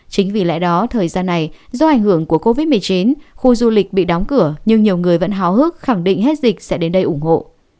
chính vì lẽ đó thời gian này do ảnh hưởng của covid một mươi chín khu du lịch bị đóng cửa nhưng nhiều người vẫn hào hức khẳng định hết dịch sẽ đến đây ủng hộ